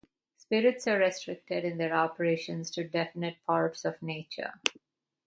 Spirits are restricted in their operations to definite parts of nature.